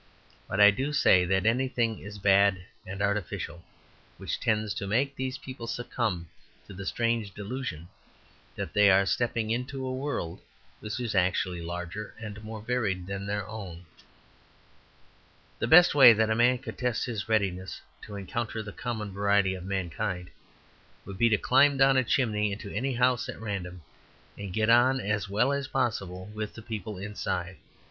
But I do say that anything is bad and artificial which tends to make these people succumb to the strange delusion that they are stepping into a world which is actually larger and more varied than their own. The best way that a man could test his readiness to encounter the common variety of mankind would be to climb down a chimney into any house at random, and get on as well as possible with the people inside.